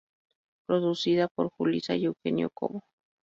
Producida por Julissa y Eugenio Cobo.